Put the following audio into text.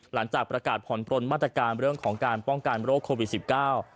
หลังจากประกาศผ่อนปลนมาตรการเรื่องของการป้องกันโรคโควิดสิบเก้า